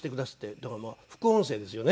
だからまあ副音声ですよね。